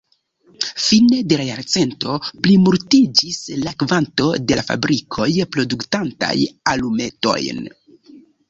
Fine de la jarcento plimultiĝis la kvanto de la fabrikoj produktantaj alumetojn.